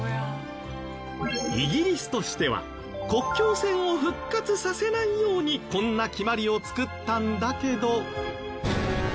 イギリスとしては国境線を復活させないようにこんな決まりを作ったんだけど。